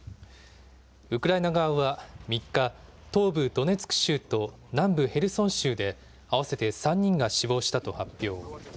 ウクライナ側は３日、東部ドネツク州と南部ヘルソン州で、合わせて３人が死亡したと発表。